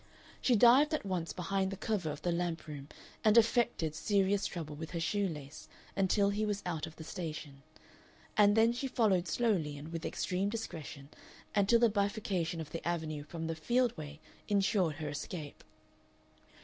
She dived at once behind the cover of the lamp room and affected serious trouble with her shoe lace until he was out of the station, and then she followed slowly and with extreme discretion until the bifurcation of the Avenue from the field way insured her escape.